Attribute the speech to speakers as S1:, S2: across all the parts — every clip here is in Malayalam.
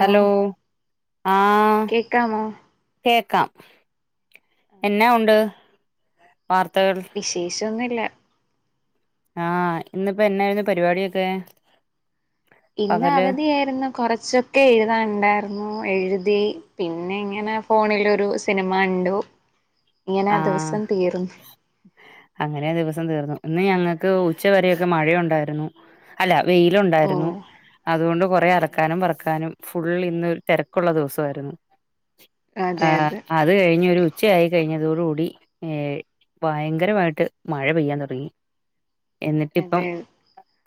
S1: ഹലോ ആഹ്
S2: കേക്കാമോ
S1: കേ കാം എന്നാ ഉണ്ട് വാർത്തകൾ
S2: വിശേഷൊന്നുല്ല
S1: ആഹ് ഇന്നിപ്പോ എന്നായിരുന്നു പരിപാടിയൊക്കെ?
S2: ഇന്ന്
S1: പകല്
S2: അവധിയായിരുന്നു കൊറച്ചൊക്കെ എഴുതാനുണ്ടായിരുന്നു എഴുതി പിന്നെ ഇങ്ങനെ ഫോണിലൊരു സിനിമണ്ടു ഇങ്ങനെ
S1: ആഹ്
S2: ദിവസം തീർന്നു
S1: അങ്ങനെ ദിവസം തീർന്നു ഇന്ന് ഞങ്ങ ക്ക് ഉച്ചവരെയൊക്കെ മഴയുണ്ടായിരുന്നു അല്ല
S2: ഓ
S1: വെയിലുണ്ടായിരുന്നു അതുകൊണ്ട് കുറേ അലക്കാനും പറുക്കാനും ഫുള്ളിന്ന് തിരക്കുള്ള ദിവസമായിരുന്നു ആ
S2: അതെ അതെ
S1: അത് കഴിഞ്ഞ് ഒരു ഉച്ചയായി കഴിഞ്ഞ അതോട് കൂടി ഏ ഭയ് ങ്കരമായിട്ട് മഴ പെയ്യാൻ തുടങ്ങി എന്നിട്ടിപ്പം
S2: അതെ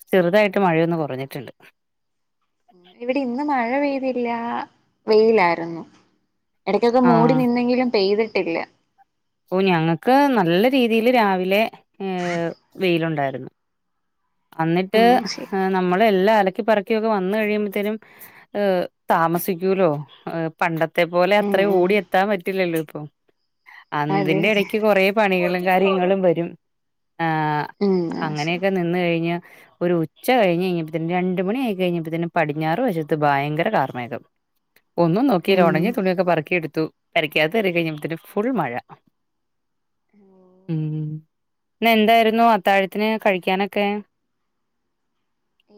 S1: ചെറുതായിട്ട് മഴയൊന്ന് കുറഞ്ഞിട്ടുണ്ട്
S2: ഇവിടെ ഇന്ന് മഴ പെയ്തില്ല വെയ്ലായിർന്നു എടയ്ക്കൊക്കെ മൂടി
S1: ആഹ്
S2: നിന്നെങ്കിലും പെയ്ത് ട്ടില്ല
S1: ഓ ഞങ്ങക്ക് നല്ല രീതീല് രാവിലെ ഏഹ് വെയിലുണ്ടാര് പി അന്നിട്ട്
S2: ഉം ശരി
S1: ഹാ നമ്മള് എല്ലാര് ക്കി പെറുക്കിയൊക്കെ വന്ന് കഴിയുമ്പത്തേുനും താമസിക്കൂലോ പണ്ടത്തെ ത്തേ പോലെ
S2: ഉം
S1: അത്രയും
S2: ഉം
S1: ഓടിയ എത്താൻ പറ്റില്ലല്ലോ ഇപ്പം
S2: അതെ
S1: അതിന്റെ
S2: അതെ
S1: എടയ്ക്ക് കൊറേ പണികൾ കാര്യങ്ങളും വരും ആ
S2: ഉം ആ ശരി
S1: അങ്ങനെയൊക്കെ നിന്ന് കഴി ഒരു ഉച്ച കഴിഞ്ഞ് കഴിഞ്ഞപ്പ തന്നെ രണ്ട്‌ മണി ആയി കഴിഞ്ഞപ്പോ തന്നെ പടിഞ്ഞാറ് വശത്ത് ഭയ്ങ്കര കാർമേഘം ഒന്നും നോക്കീല
S2: ഉം
S1: ഓണങ്ങിയ തുണിയൊക്കെ പറക്കിടുത്തു പെരക്കാത്ത് കയറിക്കഴിഞ്ഞപ്പത്തിന് ഫുൾ മഴ ഉം ന്നെന്തായിരുന്നു അത്താഴത്തിന് കഴിക്കാനൊക്കെ?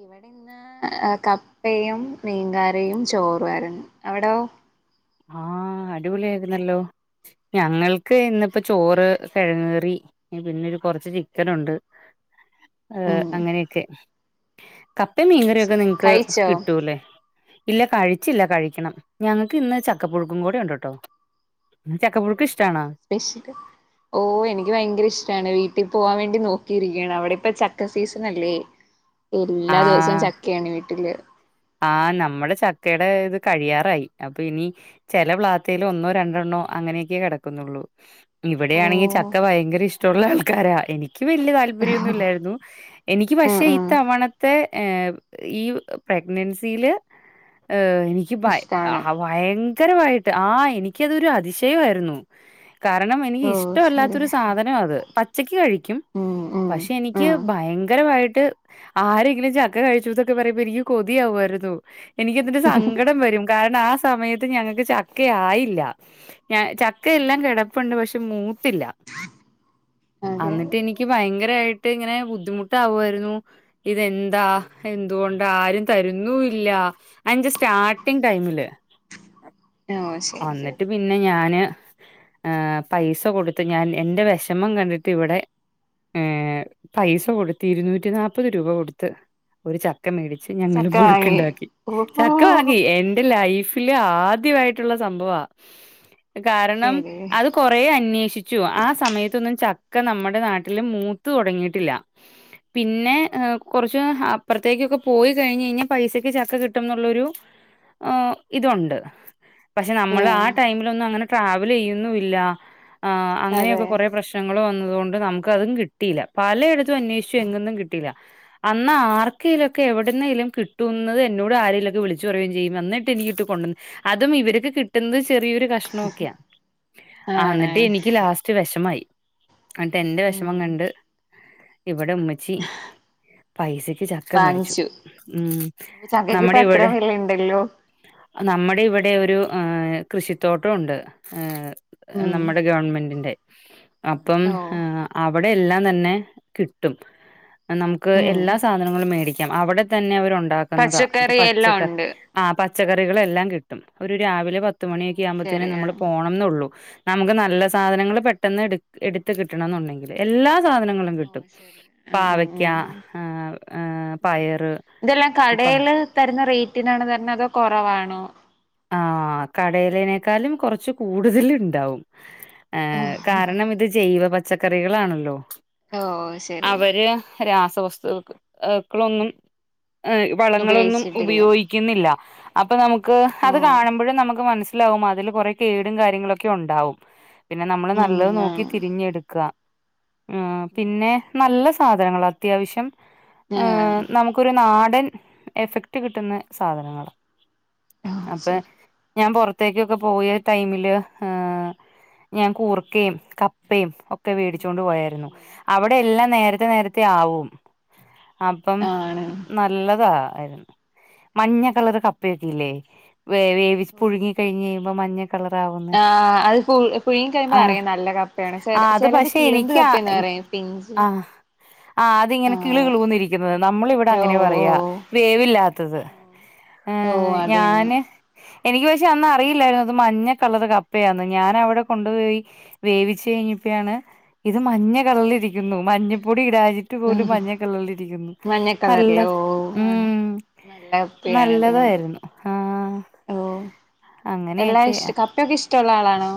S2: ഇവിടെന്ന് ഏ കപ്പയും മീൻകറിയും ചോറും ആരുന്നു അവിടോ?
S1: ആഹ് അടിപൊളി ആയിരുന്നല്ലോ ഞങ്ങൾക്ക് ഇന്നിപ്പോ ചോറ് കിഴങ്ങ്കറി പിന്നെരു കൊറച്ച് ചിക്കനൊണ്ട് ഏർ
S2: ഉം
S1: അങ്ങനെയൊക്കെ കപ്പയും
S2: ഓ
S1: മീൻകറിയൊക്കെ
S2: ശരി
S1: നിങ്ങക്ക്
S2: കഴിച്ചോ
S1: കിട്ടൂല്ലേ ഇല്ല കഴിച്ചില്ല കഴിക്കണം ഞങ്ങൾക്കിന്ന് ച ക്ക പുഴുക്കും കൂടെ ഉണ്ട് ട്ടോ ചക്കപ്പുഴുക്ക് ഇഷ്ടാണോ
S2: ഇഷ്ട ഓ എനിക്ക് ഭയങ്കരിഷ്ടാണ് വീട്ടിപോവാൻ വേണ്ടി നോക് കിരിക്കാണ് അവിടെപ്പ ചക്ക സീസൺ അല്ലേ എല്ലാ ദിവസവും
S1: ആഹ്
S2: ചക്ക്യാണ് വീട്ടില്
S1: ആഹ് നമ്മൾ ച ക്കേടെ ഇത് കഴിയാറായി അപ്പ ഇനി ചെല പ്ലാത്തേലെ ഒന്നോ രണ്ടെണ്ണോ അങ്ങനെക്കെ കെടക്കുന്നൊള്ളൂ. ഇവിടെയാണെങ്കിൽ
S2: ഓ
S1: ചക്ക ഭയ്ങ്കര ഇഷ്ടൊള്ള ആൾക്കാരാ എനിക്ക് വെല്ല്യെ താൽ പര്യൊന്നുല്ലാരുന്നു. എനിക്ക്
S2: ആ
S1: പക്ഷേ
S2: ആ
S1: ഇത്തവണ ത്തെ ഏ ഈ പ്രെ മിൻസീൽ ഏ എനിക്ക് ഭയ്
S2: ഇഷ്ടാണ്
S1: ആ ഭയ ങ്കരുവായിട്ട് ആ എനിക്കതൊരു അതിശയായിരുന്നു കാരണം എനിക്ക്
S2: ഓ ശരി
S1: ഇഷ്ടല്ലാത്തൊരു സാധനാ അത് പച്ചക്ക് കഴിക്കും
S2: ഉം ഉം
S1: പക്ഷെ
S2: ആ
S1: എനിക്ക് ഭയങ്കരായി ട്ട് ആരെങ്കിലും ചക്ക കഴിച്ചൂന്നൊക്കെ പറയുമ്പോ എനിക്കും കൊതിയാവായിര്ന്നു എനിക്കെന്നിട്ട് സങ്കടം വെരും കാരണം ആ സമയ ത്ത് ഞങ്ങക്ക് ചക്കയായില്ല ഞാ ചക്കയെല്ലാം കെടപ്പുണ്ട് പക്ഷെ മൂത്തില്ല
S2: അതെ അതെ
S1: അന്നിട്ടെനിക്ക് ഭയ ങ്കരായിട്ട് ഇങ്ങനെ ബുദ്ധിമുട്ടാവായിര്ന്നു ഇതെന്താ എന്തുകൊണ്ടാ തരുന്നു ഇല്ല അഞ്ച സ്റ്റാർട്ടിങ് ടൈമില്.
S2: ഓ ശരി ശരി
S1: അന്നിട്ട് പിന്നെ ഞാന് ഏഹ് പൈസ കൊടുത്ത് ഞാൻ എന്റെ വെഷമം കണ്ടിട്ട് ഇവടെ ഏഹ് പൈസ കൊടുത്ത് ഇരുന്നൂറ്റിനാപ്പത് രൂപ കൊടുത്ത് ഒരു ച ചക്ക മേടിച്ച് ഞങ്ങൾ
S2: ചക്ക വാങ്ങി
S1: പുഴുക്ക്ണ്ടാക്കി
S2: ഓ
S1: ചക്ക വാങ്ങി എന്റെ ലൈഫ് ഇല്ലാ ആദ്യവായി ട്ടുള്ള സംഭവാ. കാരണം
S2: ശരി
S1: അത് കൊറേ അന്വേഷി ച്ചു. ആ സമയത്തൊന്നും ചക്ക നമ്മടെ നാട്ടില് മൂത്ത് തുടങ്ങീട്ടില്ല. പിന്നെ കൊറച്ച് അപ്പെറത്തേക്കൊക്കെ പോയി കഴിഞ്ഞ് കഴിഞ്ഞാ പൈസക്ക് ചക്ക കിട്ടുംന്നുള്ളൊരു ഇതുണ്ട്. പക്ഷെ
S2: ആ
S1: നമ്മള് ആഹ് ടൈമിൽ ഒന്നും അങ്ങനെ ട്രാവൽ ചെയ്യുന്നു ഇല്ല. ആഹ് അങ്ങനെയൊക്കെ
S2: അതെ
S1: കൊറേ പ്രശ്നങ്ങൾ വന്ന അത്കൊണ്ട് നമുക്ക് അതും കിട്ടിയില പലയിട ത്തു അന്വേഷിച്ചു എങ്ങന്നും കിട്ടീല്ല അന്ന് ആർക്കെലൊക്കെ എവിടെന്നേലും കിട്ടുന്നത് എന്നോട് ആരെേലൊക്കെ വിളിച്ച് പറയു [unintelligible] യും ചെയ്യും അന്നിട്ട് എനിക്കിട്ട് കൊണ്ടന്ന് അതും ഇവര് കിട്ടുന്നത് ചെറിയൊരു കഷ്ണം ഒക്കെയാ
S2: ആണ്
S1: എന്നിട്ട് എനിക്ക് ലാസ്റ്റ് വിഷമായി. എന്നിട്ട് എന്റെ
S2: ഉം
S1: വിഷമം കണ്ട്. ഇവിടെ ഉമ്മിച്ചി പൈസ. ചക്ക മേടിച്ചു
S2: വാങ്ങിച്ചു
S1: ഉം
S2: ചക്കക്ക് ഇപ്പ
S1: നമ്മുടെ
S2: അത്ര
S1: ഇവിടെ
S2: വിലയുണ്ടല്ലോ
S1: നമ്മുടെ ഇവിടെ ഒരു. ഉം കൃഷിത്തോട്ടമുണ്ട് ഏഹ്.
S2: ഉം
S1: നമ്മുടെ ഗവൺമെന്റിന്റെ. അപ്പം
S2: ഓ
S1: അവിടെ എല്ലാം തന്നെ കിട്ടും നമുക്ക്
S2: ഉം
S1: എല്ലാ സാധനങ്ങളും മേടിക്കാം അവിടെ തന്നെ അവര് ഉണ്ടാ ഉണ്ടാക്കുന്നത് അത്
S2: പച്ചക്കറി എല്ലാം
S1: പച്ചക്കാ
S2: ഉണ്ട്
S1: ആഹ് പച്ചക്കറികളെല്ലാം കി കിട്ടും. ഒരു രാവിലെ പത്ത്. പത്ത്
S2: ഓ
S1: മണിയൊക്കെ ആകുമ്പോഴത്തേ
S2: ശരി ആ
S1: നമ്മള് പോണം എന്നള്ളു. നമുക്ക് നല്ല സാധനങ്ങൾ പെട്ടെന്ന് എടു എടുത്തുകിട്ടണം എന്നുണ്ടെങ്കില് എല്ലാം. സാധനങ്ങളും
S2: ഓ
S1: കിട്ടും
S2: ശരി ഉം ഉം
S1: പാവയ്ക്ക
S2: ഉം ഉം
S1: ഏഹ് ഏഹ് പയർ.
S2: ഉം ഇതെല്ലാം കുറവാണോ?
S1: ആഹ് കടയിലേനേക്കാളും കൊറച്ച് കൂടുതൽ ഇണ്ടാവും ഏഹ് കാര്ണം ഇത് ജൈവ പച്ച പച്ചക്കറികളാണല്ലോ
S2: ഓ ശരി
S1: അവര് രാസ് വസ്തുൾ ഇക്കളൊന്നും എഹ് വളങ്ങളൊന്നും
S2: ഉപയോഗിച്ചിട്ടില്ല
S1: ഉപയോഹിക്കുന്നില്ല അപ്പൊ നമുക്ക്
S2: ഓ
S1: അത് കാണുമ്പഴും നമുക്ക് ത് മനസിലാവും അതില് കൊറെ കേടും കാര്യങ്ങളൊക്കെ ഉണ്ടാവും പിന്നെ നമ്മള്
S2: ഉം
S1: നല്ലത്
S2: ആണ്
S1: നോക്കി തിരിഞ്ഞെടുക്ക ആഹ്
S2: ഓ
S1: പിന്നെ
S2: ശരി
S1: നല്ല സാധനങ്ങളാ അത്യാവിശ്യം ഹ
S2: ആഹ്
S1: നമുക്കൊരു നാടൻ എഫക്റ്റ് കിട്ടുന്ന സാധനങ്ങളാ
S2: ഓ
S1: അപ്പെ
S2: ശരി
S1: ഞാൻ പൊറത്തേക്കൊക്കെ പോയ ടൈമില് ഹ് ഞാൻ ക്കൂർക്കെ കപ്പെം ഒക്കെ
S2: ഉം
S1: വേടിച്ചോണ്ട്
S2: ഉം
S1: പോയായ്ര്ന്നു
S2: ഉം
S1: അവിടെ എല്ലാം നേരെത്തെ
S2: ഓ
S1: നേരെത്തെ ആവും അപ്പം
S2: ആണ്
S1: നല്ലതാ. [unintelligible] മഞ്ഞ കളറ് കപ്പയൊക്കില്ലേ വേ വേവിച്ച്
S2: ഓ
S1: പുഴുങ്ങി കഴിഞ് കഴിയുമ്പോ മഞ്ഞ കളറാവുന്ന,
S2: ആ അത് പു പുഴുങ്ങി കഴിയുമ്പോ
S1: ആഹ്.
S2: അറിയാം നല്ല കപ്പയാണ് ചെ
S1: ആഹ് അത്
S2: ചെലത്
S1: പക്ഷേ
S2: കിളിന്ത്
S1: എനിക്ക്
S2: കപ്പന്ന് പറയും പിഞ്ച്
S1: ആഹ് ആഹ്
S2: ആ
S1: അതിങ്ങനെ കിളികുളൂന്ന് ഇരിക്കുന്നത്. നമ്മള് ഇവിടെ
S2: ഓ
S1: അങ്ങനെയാ
S2: ഓ
S1: പറയാ വേവില്ലാത്തത്.
S2: ഓ
S1: ഏഹ്
S2: അത് തന്നെ
S1: ഞാന് എനിക്ക് പക്ഷേ അന്ന് അറിയില്ലായിരുന്നു അത് മഞ്ഞ കളർ കപ്പയാന്ന് ഞാൻ അവിടെ കൊണ്ടുപോയി വേവിച്ചു കഴിഞ്ഞപ്പോാണ് ഇത് മഞ്ഞ കളറിലിരിക്കുന്നു മഞ്ഞപ്പൊടി ഇടാ യിട്ട്
S2: ഉം
S1: പോലും മഞ്ഞ കളറിലിരിക്കുന്നു
S2: മഞ്ഞ
S1: നല്ല
S2: കളറില് ഓ
S1: ഉം
S2: ആണ് നല്ല കപ്പയാണ് അതുകൊണ്ട്
S1: നല്ലതായിരുന്നു. ആഹ്
S2: ഓ എല്ലാ
S1: അങ്ങനെയൊക്കെ
S2: ഇഷ് കപ്പൊക്കെ ഇഷ് ട്ടുള്ള ആളാണോ?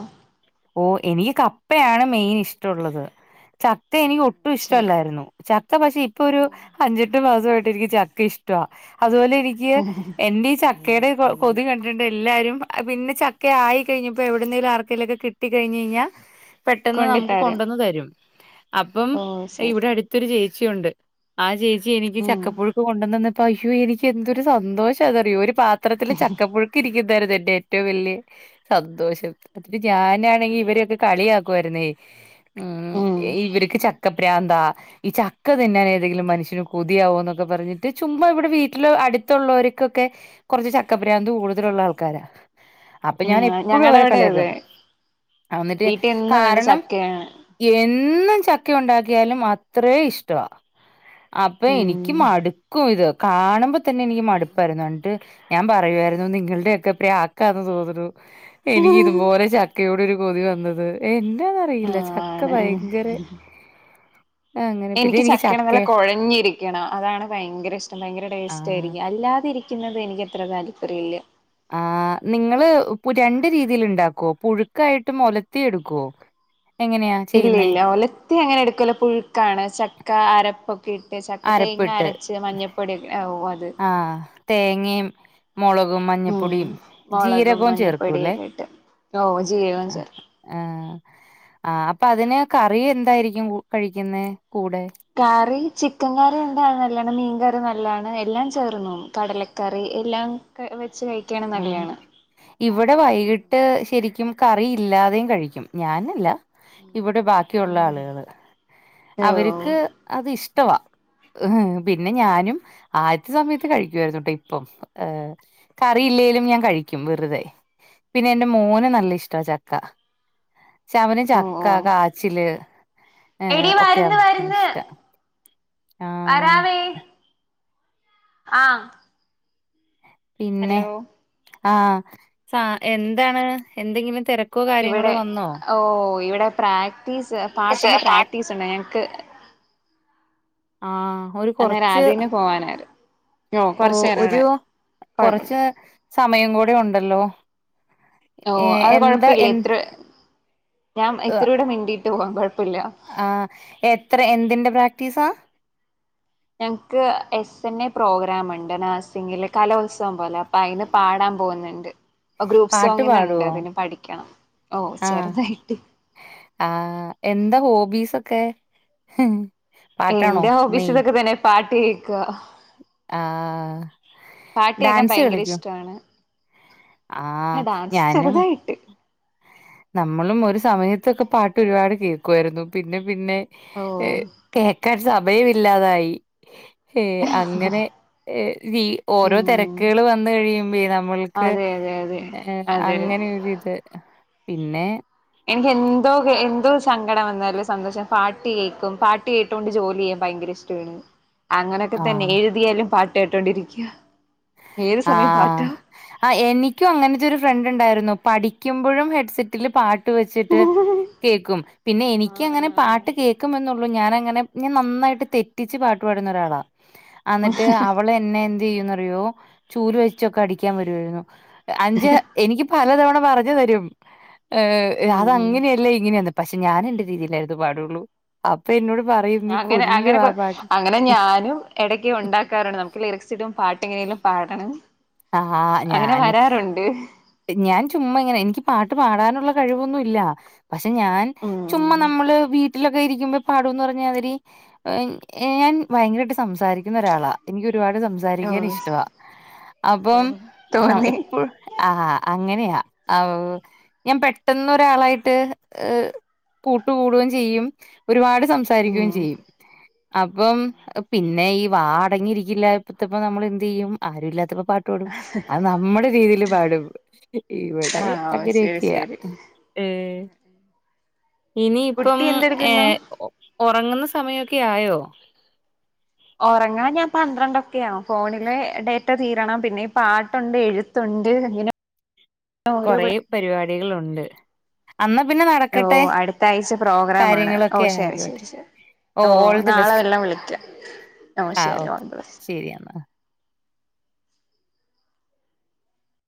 S1: ഓ എനിക്ക് കപ്പയാണ് മെയിൻ ഇഷ്ടമുള്ളത്. ചക്ക എനിക്ക് ഒട്ടും
S2: ശരി
S1: ഇഷ്ടമല്ലായിരുന്നു ചക്ക പക്ഷേ ഇപ്പൊ ഒരു അഞ്ചെട്ട് മാസമായി എനിക്ക് ചക്ക ഇഷ്ടവാ. അതുപോലെ എനിക്ക്
S2: ഉം
S1: എന്റെ ഈ ച ചക്കയുടെ കൊതി കണ്ടിട്ട് എല്ലാരും പിന്നെ ചക്ക ആയി കഴിഞ്ഞപ്പോൾ എവിടുന്നേലും ആർക്കേലൊക്കെ കിട്ട കിട്ടി കഴിഞ്ഞ് കഴിഞ്ഞാൽ പെട്ടെന്ന് നമുക്ക്
S2: കൊണ്ടിത്തരും
S1: കൊണ്ടുവന്ന് തരും അപ്പം
S2: ഓ ശരി
S1: ഇവിടെ അടുത്തൊരു ചേ ച്ചിയുണ്ട് ആ ചേ ച്ചി എനിക്ക്
S2: ഉം
S1: ചക്കപ്പുഴുക്ക് കൊണ്ടന്ന് തന്ന് അയ്യോ എനിക്ക് എന്തൊരു സന്തോഷം ആന്നറിയോ ഒരു പാത്രത്തില് ചക്ക പുഴുക്ക് ഇരിക്കു അതാരുന്നു എന്റെ ഏറ്റവും വലിയ സന്തോഷം [unintelligible] ഞാൻ പിന്നാണെങ്കിൽ ഇവരൊക്കെ കളിയാക്കുവായിരുന്നേ ഉം ഇവരിക്ക് ചക്ക പ്രാന്താ ഈ ച ക്ക തിന്നാൻ ഏതെങ്കിലും മനുഷ്യന് കൊ തിയാവോന്നൊക്കെ പറഞ്ഞിട്ട് ചുമ്മാ ഇവിടെ വീട്ടില് അടുത്തുള്ളവർക്കൊക്കെ കുറച്ച് ചക്കപ്രാന്ത് കൂടുതലുള്ള ആൾക്കാരാ.
S2: ആ ഞങ്ങളടെ ഇവിടെയതെ.
S1: ആന്നിട്ട് കാരണം എ എന്നും ചക്ക ഉണ്ടാക്കിയാലും അത്രേ ഇഷ്ടമാ. അപ്പോ
S2: ഉം
S1: എനിക്ക് മടുക്കും ഇത്. കാണുമ്പോ തന്നെ എനിക്ക് മടുപ്പായിരുന്നു എന്നിട്ട് ഞാൻ പറയുവായിരുന്നു നിങ്ങളുടെയൊക്കെ പ്രാക്കാന്ന് തോന്നണു. എനിക്ക് ഇതുപോലെ ച യോട് ഒരു കൊതി വന്നത് എ
S2: ആ
S1: ന്നാന്നറിയില്ല ചക്ക
S2: ആണ് ആണ്
S1: ഭയങ്കര അങ്ങനെ പിന്നെ
S2: എനിക്ക് ചക്കയാണേ
S1: ചക്ക
S2: നല്ല കൊഴഞ്ഞിരിക്കണം അതാണ് ഭയങ്കര ഇഷ്ടം ഭയങ്കര ടേസ്റ്റ്
S1: ആഹ്
S2: ആയിരിക്കും അല്ലാതിരി ക്കുന്നത് എനിക്ക് അത്ര താല്പര്യമില്ല.
S1: ആ നിങ്ങള് പു രണ്ട് രീതീല് ഉണ്ടാക്കുവോ പുഴുക്കായിട്ട് ഒലത്തി എടുക്കുവോ എങ്ങനെയാ
S2: ഇല്ല
S1: ചെയ്യുന്നേ
S2: ഇല്ല ഒലത്തി അങ്ങനെ എടുക്കുവല്ല പുഴുക്കാണ് ചക്ക് [unintelligible] അരപ്പും ഇട്ട് ചക്ക തേങ്ങ
S1: അരപ്പിട്ട്
S2: അരച്ച് മഞ്ഞപ്പൊടി ഒക് ഓ അത്
S1: തേങ്ങേം മൊളകും
S2: ഉം
S1: മഞ്ഞപ്പൊടിയും
S2: മുളകും
S1: ജീരകവും ചേർക്കൂല്ലേ
S2: മഞ്ഞപ്പൊടിയെല്ലാം ഇട്ട് ഓ ജീരകം
S1: ആ
S2: ചേർക്കും
S1: ആഹ് ആ അപ്പൊ അതിന് കറി എന്തായിരിക്കും കഴിക്കുന്നേ കൂടെ
S2: കാറി ചിക്കൻ കറി [unintelligible] നല്ലതാണ് മീൻ കറി നല്ലതാണ് എല്ലാം ചേർന്ന് പോകും കടലക്കറി എല്ലാം ക് വെച്ച് കഴിക്ക
S1: ആഹ് ഇവിടെ വൈകിട്ട് ട്ട് ശരിക്കും കറി ഇല്ലാതെയും കഴിക്കും ഞാനല്ല ഇവിടെ ബാക്കിയുള്ള ആളുകള്
S2: ഓ
S1: അവര്ക്ക് അത് ഇഷ് ട്ടവാ
S2: ഓ
S1: പിന്നെ ഞാനും ആദ്യത്തെ സമയത്ത് കഴിക്കുവായിരുന്നു ട്ടോ ഇപ്പം ഏഹ് കറിയില്ലേലും ഞാൻ കഴി ക്കും വെറുതെ. പിന്നെ എന്റെ മോന് നല്ല ഇഷ്ടാ ചക്ക. ശ മന്
S2: ഓ
S1: ചക്ക,
S2: ഓ
S1: കാച്ചില്,
S2: എടി വര്
S1: ഇഷ്ടാ ആഹ്
S2: ആഹ്
S1: പിന്നെ ആ സാ എന്താണ് എന്തെങ്കിലും തെര
S2: ഇവിടെ ഓ ഇവിടെ പ്രാക്ടീസ്, പാട്ടിന്റെ പ്രാക്ടീസ് ഉണ്ട് ഞങ്ങക്ക്
S1: ആഹ്
S2: അന്നേരം അതിന് പോവാനായ്ര്
S1: ഓ ഒരു
S2: കൊഴപ്പില്ല
S1: കൊറച്ച് നേ സമയം കൂ ടേം ഉണ്ടല്ലോ..
S2: ഓ
S1: ഏഹ്
S2: അത്
S1: എന്താ
S2: കൊഴപ്പല്ല.
S1: എ
S2: ഇത്ര ഞാൻ ഇത്തിരൂടെ മിണ്ടി ട്ടു പോവാം കൊഴ
S1: ആഹ് എത്ര എന്തിന്റെ പ്രാക്റ്റിസാ?
S2: ഞങ്ങക്ക് എസ് എൻ എ പ്രോഗ്രാംണ്ട് നേഴ്‌സിംഗില് കലോത്സവം പോലെ അപ്പൊ അയിന് പാടാൻ പോകുന്ന്ണ്ട്.
S1: പാട്ട് പാടുവോ
S2: ഓ
S1: ആഹ്
S2: ചെറുതായിട്ട്
S1: ആഹ് എന്താ ഹോബീസ് ഒ ക്കെ
S2: എന്റെ ഹോബീസ് ഇതൊക്കെ തന്നെ പാട്ട് കേക്ക
S1: ആഹ്
S2: കേക്കാൻ
S1: ഡാൻസ്
S2: ഭയങ്കര
S1: കളിക്കൊ?
S2: ഇഷ്ടമാണ് ആ ഡാൻസ് ചെറുതായിട്ട്
S1: നമ്മളും ഒരു സമയത്തൊക്കെ പാട്ട് ഒരുപാട് കേൾക്കുവാരുന്നു പിന്നെ പിന്നെ
S2: ഓ
S1: കേക്കാൻ സമ മയം ഇല്ലാതായി ഏയ് അങ്ങനെ ഈ ഓരോ തെരക്ക
S2: ഉം
S1: [unintelligible] ൾ വന്ന കഴിയുമ്പേ നമ്മൾക്ക്
S2: അതെ അതെ അതെ
S1: ഏ ഹ
S2: അതെ
S1: അങ്ങനെഒരിത് പിന്നെ
S2: എനിക്ക് എന്തൊ കേ എന്തൊ സങ്കടം വന്നാലും സന്തോഷം പാട്ട് കേക്കും പാട്ട് കേട്ടോണ്ട് ജോലി ചെയ്യാൻ ഭയങ്കര ഇഷ് [unintelligible] വര്ന്നു അങ്ങനെഒക്കെ തന്നെ
S1: ആഹ്
S2: എഴുതിയാലും പ കേട്ടൊണ്ടിരിക്ക്യ
S1: ആഹ് ആഹ് എനിക്കും അങ്ങനത്തെ ഒരു ഫ്രണ്ട് ഇണ്ടാരുന്നു പഠി ക്കുമ്പഴും ഹെഡ്സെറ്റിൽ പാട്ട് ട്ട് വെച്ചിട്ട് കേക്കും പിന്നെ
S2: ആ
S1: എനിക്ക്അങ്ങനെ പാട്ട് കേക്കു മെന്ന് ള്ളു ഞാൻ അങ്ങനെ ഞാൻ നന്നായിട്ട് തെറ്റിച്ച് പാട്ട് പാടുന്ന ഒരാളാ അന്നിട്ട് അവള് എന്നെ എന്ത് ചെയ്യുന്നു റിയോ ചൂല് വെച്ചൊക്കെ അടിക്കാൻ വരുവാര് ന്നു അഞ്ച് എനിക്ക് പലതവണ പറഞ് തരും ഏ
S2: ഉം
S1: അത്
S2: ഉം
S1: അങ്ങനെയല്ല ഇങ്ങനെയാന്ന് പക്ഷെ ഞാൻ എന്റെ രീതിയിലാ ഇത് പാടൊള്ളൂ അ പ്പ-
S2: അങ്ങനെ അങ്ങനെ അങ്ങനെ അങ്ങനെ അങ്ങനെ അങ്ങനെഞാനും എടക്ക് ഉണ്ടാക്കാറ്ണ്ട് നമുക്ക് ലിറക് സിടും പാട്ട് എങ്ങനെലും പാട ആണ്
S1: ആഹ്
S2: അങ്ങനെ
S1: ഞാന്
S2: വരാറുണ്ട്.
S1: ഞാൻ ചുമ്മാ ഇങ്ങനെ എനിക്ക് പാട്ട് പാടാനുള്ള കഴിവൊന്നുമില്ല, പക്ഷെ ഞാൻ ചുമ്മാ
S2: ഉം
S1: നമ്മള് വീട്ടിലൊക്കെ ഇരിക്കുമ്പോ പാടുന്നു പറഞ്ഞു അവര് ഏഹ് ഞാൻ ഭയങ്കരമായിട്ട് സംസാരിക്കുന്ന ഒരാളാ എനിക്കൊരു. ഒരുപാട്
S2: ഓ
S1: സംസാരിക്കാൻ ഇഷ്ടവാ അപ്പം
S2: തോന്നി
S1: എപ്പോഴും. അങ്ങനെയാ ആഹ് ഞാൻ പെട്ടെന്ന് ഒരാളായിട്ട് കൂട്ടുകൂടുകയും ചെയ്യും ഒരുപാട്. സംസാരിക്കുകയും
S2: ഉം
S1: ചെയ്യും അപ്പം പിന്നെ ഈ. വാ അടങ്ങിയിരിക്കില്ലപ്പോ നമ്മള് എന്ത് ചെയ്യും ആരുമില്ലാത്തപ്പോ. പാട്ട് പാടും അത് നമ്മുടെ രീതിയിലും പാടും ഇവിടെ
S2: ആഹ് ശരി
S1: അങ്ങനെയൊക്കെയാ
S2: ശരി
S1: ഇനി ഇപ്പം
S2: കുട്ടി
S1: ഏ
S2: എന്തെടുക്കുന്നു
S1: ഉറങ്ങുന്ന സമയൊ ഒക്കെ ആയോ
S2: ഉറങ്ങാൻ ഞാൻ പന്ത്രണ്ടൊക്കെയ ആവും ഫോണിലെ ഡേറ്റ തീരണം പിന്നെ ഈ പാട്ടുണ്ട് എഴുത്തുണ്ട് ഇങ്ങനെ ഓരോ
S1: കുറേ പരിപാടി കളുണ്ട്
S2: ഓ അടുത്ത ആഴ്ച പ്രോഗ്രാ ആണ് ഓ
S1: കാര്യങ്ങളൊക്കെ
S2: ശരി
S1: ആയിക്കോട്ടെ
S2: ശരി ശരി ഓ
S1: ഓൾ ദി
S2: നാളെ
S1: ബെസ്റ്റ്
S2: വെല്ലം വിളിക്കാം ഓ
S1: ആഹ്
S2: ശരി
S1: ഓക്കെ
S2: ഓൾ ത ബെസ്റ്റ്
S1: ശരി എന്നാ